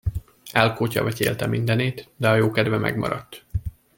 Elkótyavetyélte mindenét, de a jókedve megmaradt.